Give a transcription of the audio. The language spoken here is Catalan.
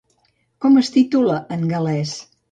Com es titula en gal·lès?